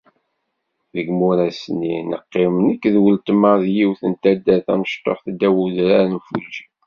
Deg imuras-nni neqqim nekk d uletma deg yiwet n taddart tamecṭuḥt ddaw udrar n Fuji.